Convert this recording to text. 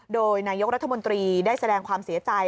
โดยนายกรัฐมนตรีได้แสดงความเสียใจ